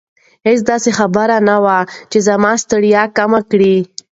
هیڅ داسې خبره نه وه چې زما ستړیا کمه کړي.